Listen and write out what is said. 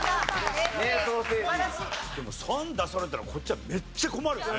でも３出されたらこっちはめっちゃ困るよね。